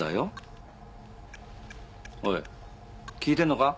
おい聞いてるのか？